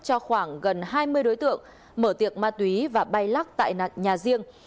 cho khoảng gần hai mươi đối tượng mở tiệc ma túy và bay lắc tại nhà riêng